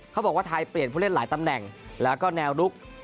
เขาบอกว่าไทยเปลี่ยนผู้เล่นหลายตำแหน่งแล้วก็แนวลุก